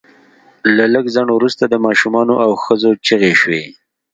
له لږ ځنډ وروسته د ماشومانو او ښځو چیغې شوې